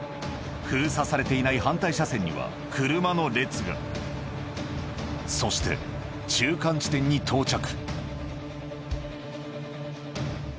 封鎖されていない反対車線には車の列がそして中間地点に到着